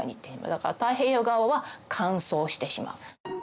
だから太平洋側は乾燥してしまう。